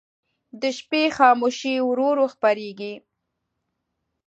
د شپې خاموشي ورو ورو خپرېږي.